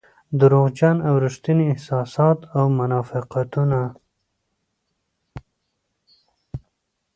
دروغجن او رښتيني احساسات او منافقتونه.